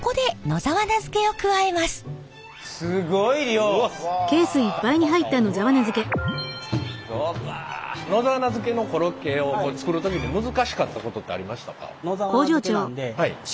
野沢菜漬けのコロッケを作る時に難しかったことってありましたか？